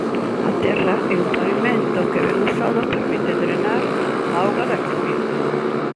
A terra é un pavimento que, ben usado, permite drenar a auga da chuvia.